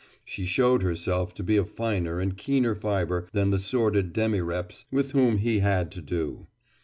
She showed herself to be of finer and keener fiber than the sordid demireps with whom he had to do.